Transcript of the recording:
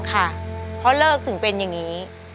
ค่ะเพราะเลิกถึงเป็นอย่างนี้